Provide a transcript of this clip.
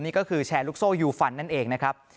นี่ก็คือแชร์ลูกโซ่ยูฟันนั่นเองนะครับ